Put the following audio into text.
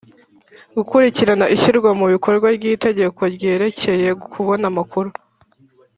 gukurikirana ishyirwa mu bikorwa ry’itegeko ryerekeye kubona amakuru;